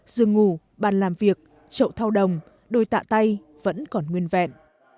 giường ngủ bàn làm việc trậu thao đồng đôi tạ tay vẫn còn nguyên vẹn